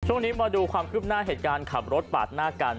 ช่วงนี้มาดูความคืบหน้าเหตุการณ์ขับรถปาดหน้ากัน